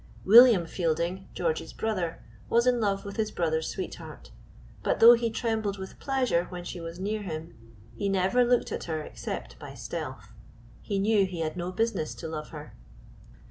William Fielding, George's brother, was in love with his brother's sweetheart, but though he trembled with pleasure when she was near him, he never looked at her except by stealth; he knew he had no business to love her.